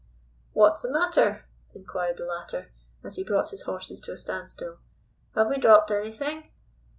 "What's the matter?" inquired the latter, as he brought his horses to a standstill. "Have we dropped anything?"